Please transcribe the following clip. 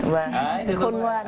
vâng khôn hoa